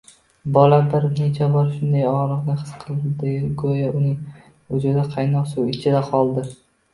Bola bir necha bor shunday ogʻriqni his qildigoʻyo uning vujudi qaynoq suv ichida qoldi